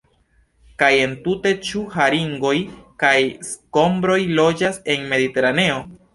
Kaj entute, ĉu haringoj kaj skombroj loĝas en Mediteraneo?